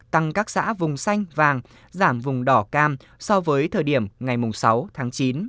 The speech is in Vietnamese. tăng các xã vùng xanh vàng giảm vùng đỏ cam so với thời điểm ngày sáu tháng chín